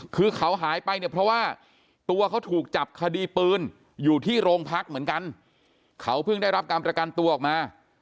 คือเขาหายไปเนี่ยเพราะว่าตัวเขาถูกจับคดีปืนอยู่ที่โรงพักเหมือนกันเขาเพิ่งได้รับการประกันตัวออกมา